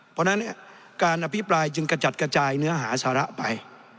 เพราะฉะนั้นการอภิปรายจึงกระจัดกระจายเนื้อหาสาระไป